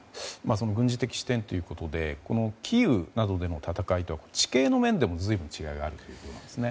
軍事的視点ということでキーウなどでの戦いは地形の面でも随分違いがあるようですね。